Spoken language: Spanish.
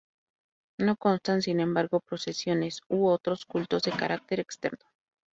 No constan sin embargo procesiones u otros cultos de carácter externo.